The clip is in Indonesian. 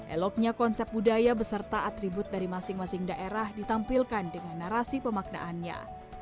eloknya konsep budaya beserta atribut dari masing masing daerah ditampilkan dengan narasi pemaknaannya